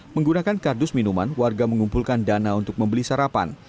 menggunakan kardus minuman warga mengumpulkan dana untuk membeli sarapan